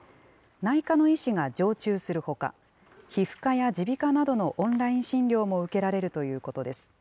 内科の医師が常駐するほか、皮膚科や耳鼻科などのオンライン診療も受けられるということです。